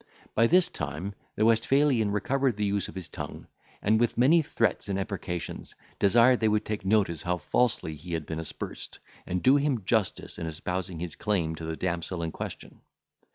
By this time the Westphalian recovered the use of his tongue, and with many threats and imprecations, desired they would take notice how falsely he had been aspersed, and do him justice in espousing his claim to the damsel in question.